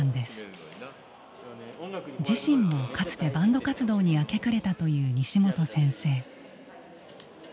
自身もかつてバンド活動に明け暮れたという西本先生。